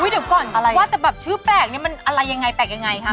เดี๋ยวก่อนอะไรว่าแต่แบบชื่อแปลกนี่มันอะไรยังไงแปลกยังไงคะ